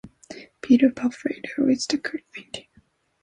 Peter Palfrader is the current maintainer.